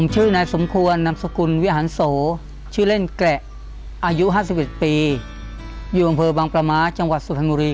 ชื่อพี่เผือกอายุ๖๐ปี